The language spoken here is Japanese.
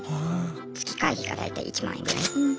月会費が大体１万円ぐらい。